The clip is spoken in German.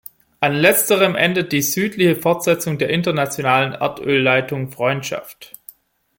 An Letzterem endet die südliche Fortsetzung der internationalen Erdölleitung Freundschaft.